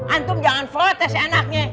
antum jangan protes enaknya